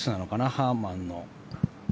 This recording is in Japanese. ハーマンの。